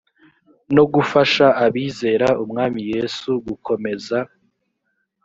no gufasha abizera umwami yesu gukomeza